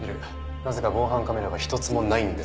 なぜか防犯カメラが一つもないんですけど。